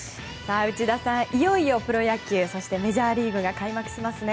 内田さん、いよいよプロ野球とメジャーリーグが開幕しますね。